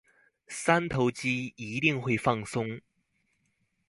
三頭肌一定會放鬆